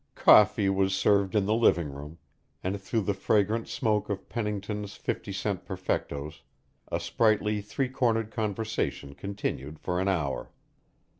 Coffee was served in the living room, and through the fragrant smoke of Pennington's fifty cent perfectos a sprightly three cornered conversation continued for an hour.